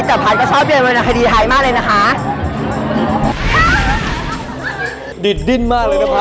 แต่พัทรก็ชอบกฎาคดีไทยมากเลยนะคะ